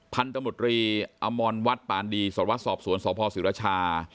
พันธมุตรีอมรวัฒน์ปานดีสวทวัฒน์สอบสวนสวพศิรชา